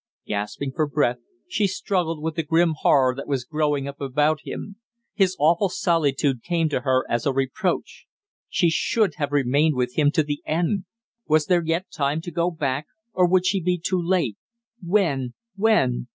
Gasping for breath, she struggled with the grim horror that was growing up about him. His awful solitude came to her as a reproach; she should have remained with him to the end! Was there yet time to go back, or would she be too late? When? When?